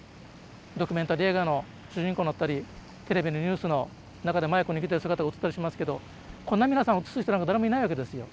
ドキュメンタリー映画の主人公になったりテレビのニュースの中でマイク握ってる姿映ったりしますけどこんな皆さん映す人なんか誰もいないわけですよ。